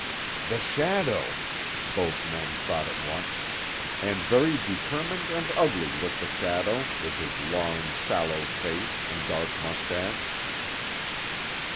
"The shadow!" both men thought at once; and very determined and ugly looked the shadow, with his long, sallow face, and dark moustache.